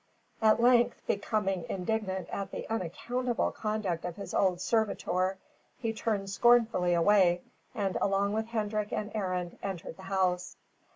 At length, becoming indignant at the unaccountable conduct of his old servitor, he turned scornfully away, and, along with Hendrik and Arend, entered the house.